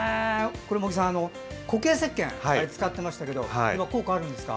茂木さん、固形せっけん使ってましたけど効果はあるんですか？